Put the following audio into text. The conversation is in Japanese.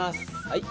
はい。